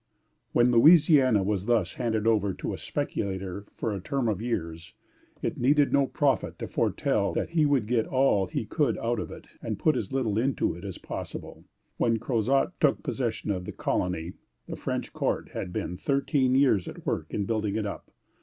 When Louisiana was thus handed over to a speculator for a term of years, it needed no prophet to foretell that he would get all he could out of it, and put as little into it as possible. When Crozat took possession of the colony, the French court had been thirteen years at work in building it up.